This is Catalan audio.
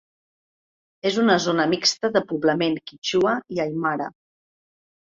És una zona mixta de poblament quítxua i aimara.